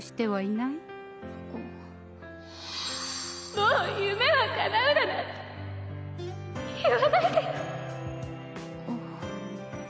もう夢はかなうだなんて言わないでよあっ。